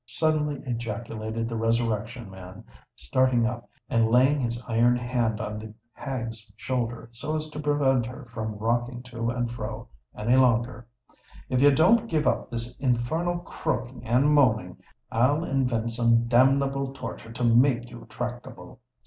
suddenly ejaculated the Resurrection Man, starting up, and laying his iron hand on the hag's shoulder so as to prevent her from rocking to and fro any longer; "if you don't give up this infernal croaking and moaning, I'll invent some damnable torture to make you tractable.